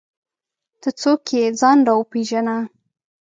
ته څوک یې ؟ ځان راوپېژنه!